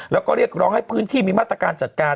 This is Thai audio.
แล้วก็เรียกร้องให้พื้นที่มีมาตรการจัดการ